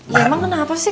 ya emang kenapa sih